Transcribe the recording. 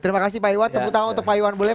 terima kasih pak iwan terima kasih pak iwan bule